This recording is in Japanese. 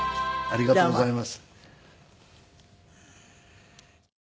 ありがとうございます。